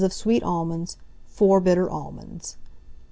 of sweet almonds, 4 bitter almonds.